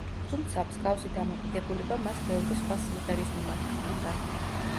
თუმცა, მსგავსი დამოკიდებულება მას ბევრი სხვა სიმღერის მიმართ ჰქონდა.